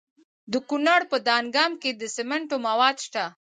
د کونړ په دانګام کې د سمنټو مواد شته.